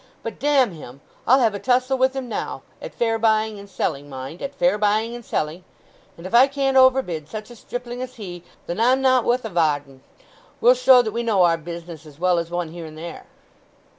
But damn him, I'll have a tussle with him now—at fair buying and selling, mind—at fair buying and selling! And if I can't overbid such a stripling as he, then I'm not wo'th a varden! We'll show that we know our business as well as one here and there!"